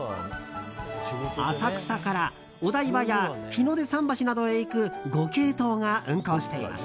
浅草からお台場や日の出桟橋などへ行く５系統が運航しています。